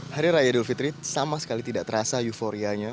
hari raya idul fitri sama sekali tidak terasa euforianya